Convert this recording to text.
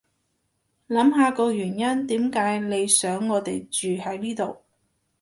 諗下個原因點解你想我哋住喺呢度